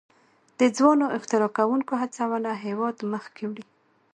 د ځوانو اختراع کوونکو هڅونه هیواد مخکې وړي.